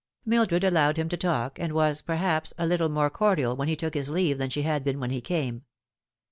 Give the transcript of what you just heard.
Mildred allowed him to talk, and was, perhaps, a little more cordial when he took his leave than she had been when he came.